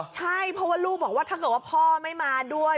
ใช่เพราะว่าลูกบอกว่าถ้าเกิดว่าพ่อไม่มาด้วย